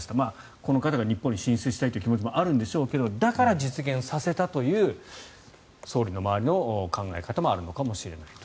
この方が日本に進出したいという気持ちもあるんでしょうがだから実現させたという総理の周りの考え方もあるのかもしれないと。